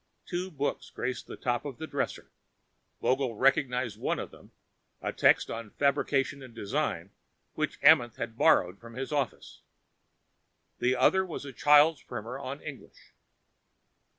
Two books graced the top of the dresser. Vogel recognized one of them, a text on fabrication and design which Amenth had borrowed from his office. The other was a child's primer of English.